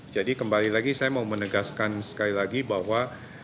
jadi kembali lagi saya mau menegaskan sekali lagi bahwa